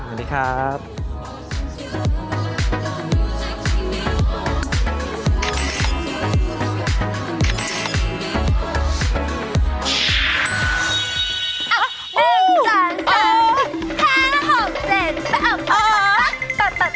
ตาตาตาตาตาตา